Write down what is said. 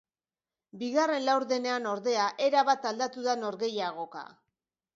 Bigarren laurdenean, ordea, erabat aldatu da norgehiagoka.